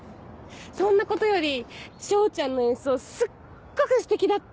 そんなことより彰ちゃんの演奏すっごくステキだった！